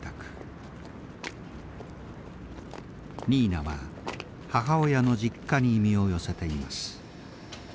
ニーナは母親の実家に身を寄せています。